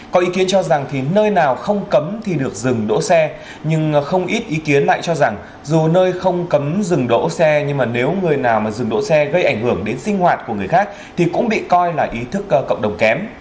có ý kiến cho rằng thì nơi nào không cấm thì được dừng đỗ xe nhưng không ít ý kiến lại cho rằng dù nơi không cấm dừng đỗ xe nhưng mà nếu người nào mà dừng đỗ xe gây ảnh hưởng đến sinh hoạt của người khác thì cũng bị coi là ý thức cộng đồng kém